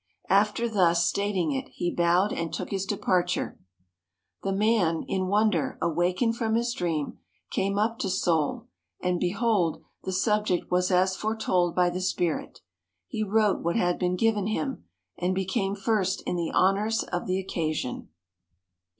'" After thus stating it, he bowed and took his departure. The man, in wonder, awakened from his dream, came up to Seoul; and behold, the subject was as foretold by the spirit. He wrote what had been given him, and became first in the honours of the occasion.